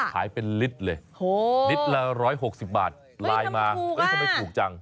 ขายเป็นลิตรเลยลิตรละ๑๖๐บาทไลน์มาทำไมถูกจัง